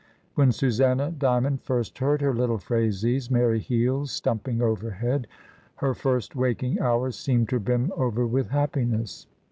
When Susanna Dy mond first heard her little Phraisie's merry heels stumping overhead her first waking hours seemed to brim over with happiness.